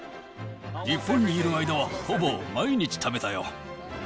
日本にいる間は、ほぼ毎日食べたよ。